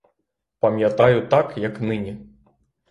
Пам'ятаю так, як нині.